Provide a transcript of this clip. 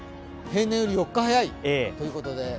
平年より４日早いということで。